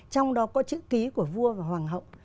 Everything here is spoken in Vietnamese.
trong đó có chữ ký của vua và hoàng hậu